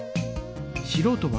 しろうとは？